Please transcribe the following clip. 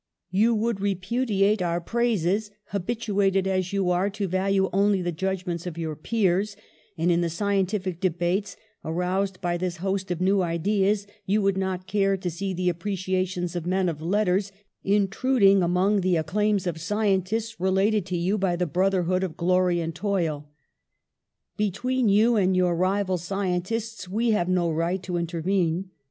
You would repudiate our praises, habituated as you are to value only the judgments of your peers; and in the scientific debates, aroused by this host of new ideas, you would not care to see the appreciations of men of letters intruding among the acclaims of sci entists related to you by the brotherhood of glory and toil. Between you and your rival scientists we have no right to intervene.